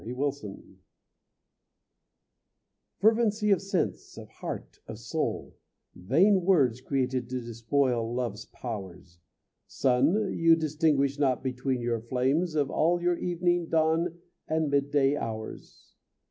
XXVII Fervency of sense, of heart, of soul Vain words created to despoil love's powers; Sun, you distinguish not between your flames Of all your evening, dawn, or midday hours.